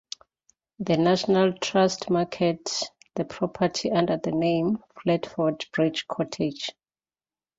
The National Trust market the property under the name "Flatford: Bridge Cottage".